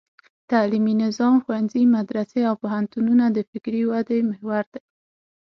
تعلیمي نظام: ښوونځي، مدرسې او پوهنتونونه د فکري ودې محور دي.